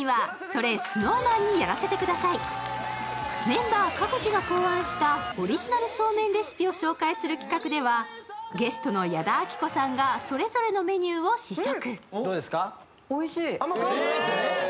メンバー各自が考案したオリジナルそうめんレシピを紹介する企画ではゲストの矢田亜希子さんがそれぞれのメニューを試食。